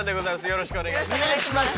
よろしくお願いします。